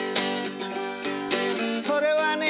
「それはね」